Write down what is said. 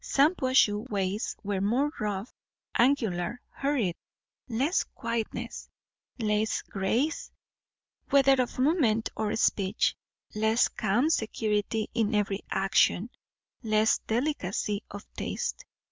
Shampuashuh ways were more rough, angular, hurried; less quietness, less grace, whether of movement or speech; less calm security in every action; less delicacy of taste.